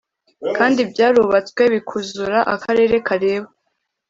kandi byarubatswe bikuzura Akarere kareba